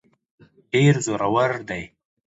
ډېر زورور دی.